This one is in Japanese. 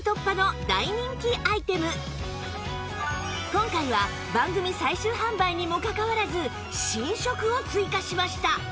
今回は番組最終販売にもかかわらず新色を追加しました